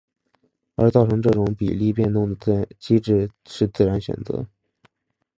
而造成这种比例变动的机制是自然选择。